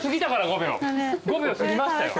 ５秒過ぎましたよ。